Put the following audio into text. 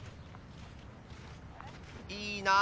いいなあ！